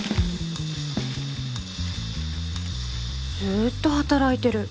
ずーっと働いてる